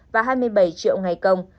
và hai mươi bảy triệu ngày công